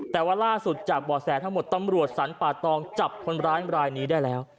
แต่ว่าล่าสุดจากบ่อแสทั้งหมดตำรวจสรรป่าตองจับคนร้ายรายนี้ได้แล้ว